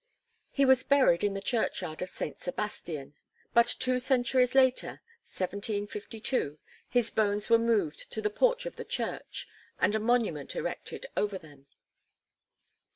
He was buried in the churchyard of Saint Sebastian; but two centuries later, 1752, his bones were moved to the porch of the church, and a monument erected over them.